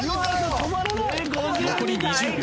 残り２０秒。